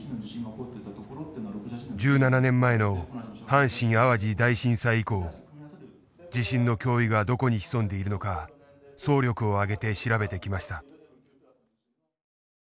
１７年前の阪神・淡路大震災以降地震の脅威がどこに潜んでいるのか総力を挙げて調べてきました。